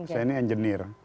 saya ini engineer